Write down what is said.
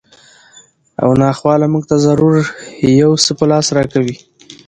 او ناخواله مونږ ته ضرور یو څه په لاس راکوي